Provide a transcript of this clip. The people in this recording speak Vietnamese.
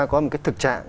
có một cái thực trạng